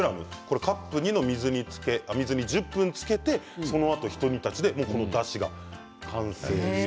カップ２の水に１０分つけてそのあとひと煮立ちで、もうこのだしが完成。